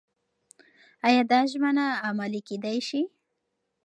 ایا دا ژمنه عملي کېدای شي؟